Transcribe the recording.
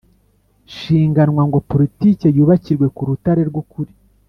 shinganwa ngo politike yubakirwe ku rutare rw' ukuli,